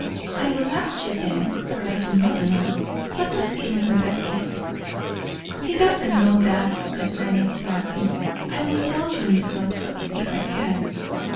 "I will ask you then, for I do not know. What does he mean by it?" "He doesn't know that," said Lenox, laughing. "I will tell you, Miss Lothrop if I can.